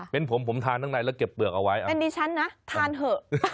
เป็นผมผมทานข้างในแล้วเก็บเปลือกเอาไว้เป็นดิฉันนะทานเถอะ